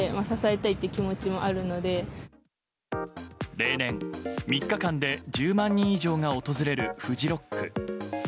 例年３日間で１０万人以上が訪れるフジロック。